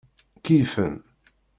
Keyyfen.